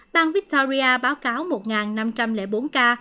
bang victoria báo cáo một năm trăm linh bốn ca